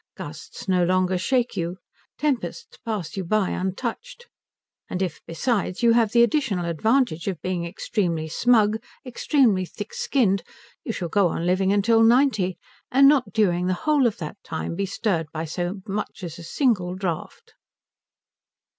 Gusts no longer shake you. Tempests pass you by untouched. And if besides you have the additional advantage of being extremely smug, extremely thick skinned, you shall go on living till ninety, and not during the whole of that time be stirred by so much as a single draught.